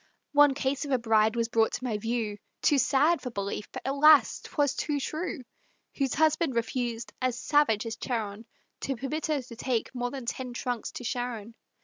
One case of a bride was brought to my view, Too sad for belief, but alas! 'twas too true, Whose husband refused, as savage as Charon, To permit her to take more than ten trunks to Sharon.